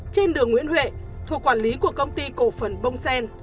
trên đường nguyễn huệ thuộc quản lý của công ty cổ phần bông sen